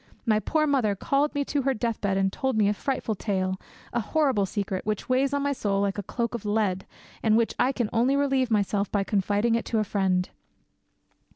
My poor mother called me to her deathbed and told me a frightful tale, a horrible secret, which weighs on my soul like a cloak of lead, and of which I can only relieve myself by confiding it to a friend.